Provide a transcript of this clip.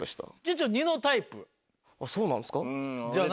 そうなんですか？